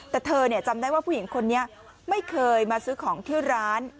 แต่เธอจำได้ว่าผู้หญิงคนนี้ไม่เคยมาซื้อของที่ร้าน